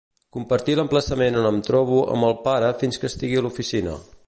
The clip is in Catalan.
Compartir l'emplaçament on em trobo amb el pare fins que estigui a l'oficina.